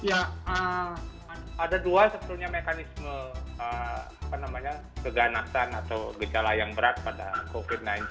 ya ada dua sebetulnya mekanisme keganasan atau gejala yang berat pada covid sembilan belas